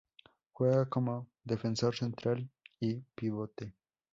Juega como defensor central y pivote.